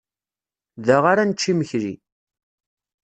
Da ara nečč imekli.